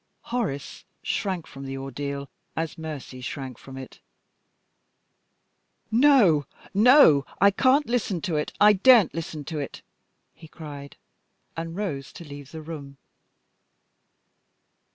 Horace shrank from the ordeal as Mercy shrank from it. "No, no! I can't listen to it! I daren't listen to it!" he cried, and rose to leave the room.